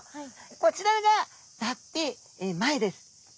こちらが脱皮前です。